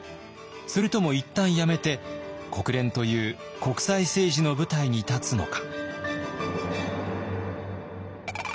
それとも一旦やめて国連という国際政治の舞台に立つのか。